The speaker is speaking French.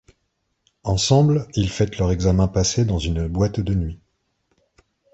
Ensemble, ils fêtent leur examen passé dans une boîte de nuit.